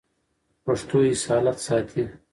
پښتو اصالت ساتي.